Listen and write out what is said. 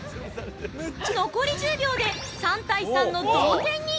残り１０秒で、３対３の同点に。